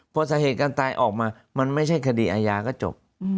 พอสาเหตุการณ์ตายออกมามันไม่ใช่คดีอาญาก็จบ